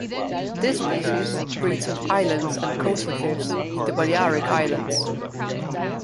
This species breeds on islands and coastal cliffs in the Balearic islands.